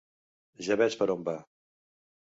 Ja veig per on va.